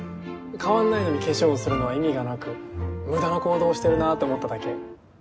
変わんないのに化粧をするのは意味がなく無駄な行動してるなと思っただけ。